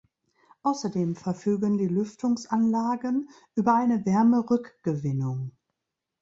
Außerdem verfügen die Lüftungsanlagen über eine Wärmerückgewinnung.